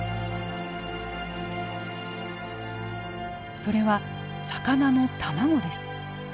それは魚の卵です。